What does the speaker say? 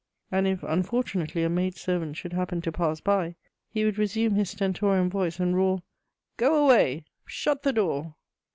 And if, unfortunately, a maid servant should happen to pass by, he would resume his stentorian voice and roar: "Go away! Shut the door!"